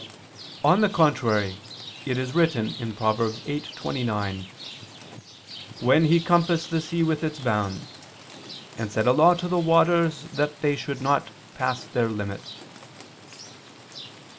On the contrary, It is written (Prov. 8:29): "When He compassed the sea with its bounds, and set a law to the waters, that they should not pass their limits."